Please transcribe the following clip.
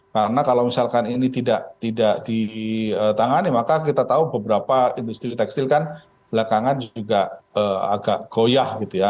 karena kalau misalkan ini tidak ditangani maka kita tahu beberapa industri tekstil kan belakangan juga agak goyah gitu ya